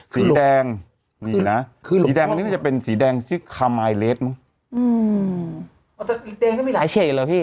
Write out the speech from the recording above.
สีแดงนี่น่ะสีแดงอันนี้น่ะจะเป็นสีแดงชื่ออืมอันนี้ก็มีหลายเชฟเหรอพี่